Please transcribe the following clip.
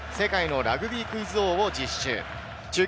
クイズと、世界のラグビークイズ王を実施中。